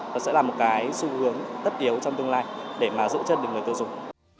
nó sẽ là một cái xu hướng tất yếu trong tương lai để mà giữ chân được người tiêu dùng